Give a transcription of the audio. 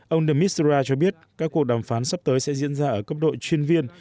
ông de mistura cho biết các cuộc đàm phán sắp tới sẽ diễn ra ở cấp độ chuyên viên